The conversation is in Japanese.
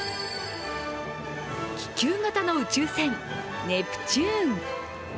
気球型の宇宙船、ネプチューン。